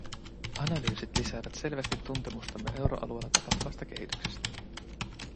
Analyysit lisäävät selvästi tuntemustamme euroalueella tapahtuvasta kehityksestä.